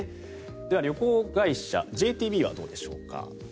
では旅行会社ＪＴＢはどうでしょうか。